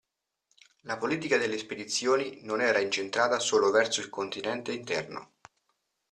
La politica delle spedizioni non era incentrata solo verso il continente interno.